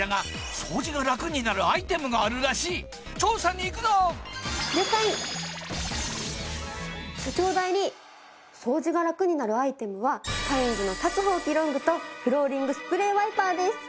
掃除が楽になるアイテムはカインズの立つほうきロングとフローリングスプレーワイパーです。